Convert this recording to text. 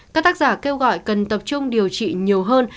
các tác giả kêu gọi cần tập trung điều trị nhiều hơn